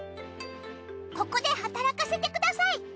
ここで働かせてください。